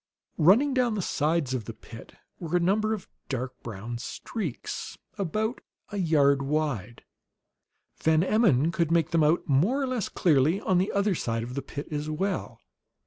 Running down the sides of the pit were a number of dark brown streaks, about a yard wide; Van Emmon could make them out, more or less clearly, on the other side of the pit as well.